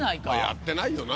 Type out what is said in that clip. やってないよな。